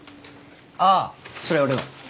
ああそれ俺の。